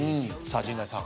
陣内さん